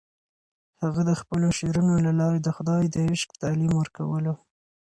هغه د خپلو شعرونو له لارې د خدای د عشق تعلیم ورکولو.